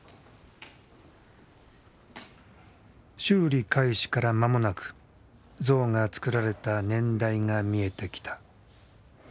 修理開始から間もなく像がつくられた年代が見えてきた。